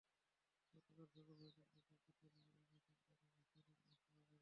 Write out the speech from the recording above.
গতকাল সকাল ছয়টার দিকে বিলের পূর্ব পাশের পাড়ে হাসানের লাশ পাওয়া যায়।